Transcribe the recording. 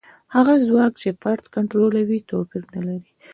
هغه ځواک چې فرد کنټرولوي توپیر نه لري.